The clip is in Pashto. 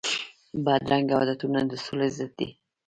بدرنګه عادتونه د سولي ضد دي